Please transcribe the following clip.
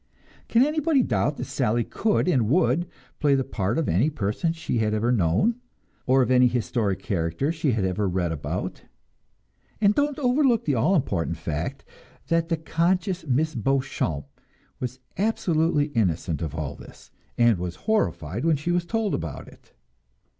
Can anybody doubt that Sally could and would play the part of any person she had ever known, or of any historic character she had ever read about? And don't overlook the all important fact that the conscious Miss Beauchamp was absolutely innocent of all this, and was horrified when she was told about it.